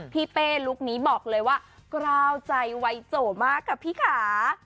พี่เป้ลุคนี้บอกเลยว่ากลาวใจไวโจมากกับพี่ขา